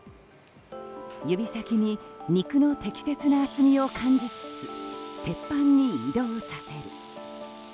指先に肉の適切な厚みを感じつつ鉄板に移動させる。